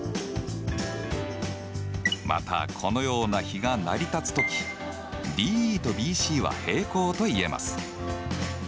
またこのような比が成り立つ時ＤＥとＢＣは平行と言えます。